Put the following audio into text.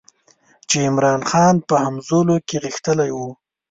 چې عمرا خان په همزولو کې غښتلی وو.